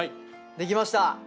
できました！